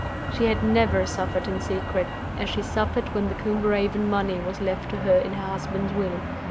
She had never suffered in secret as she suffered when the Combe Raven money was left to her in her husband's will.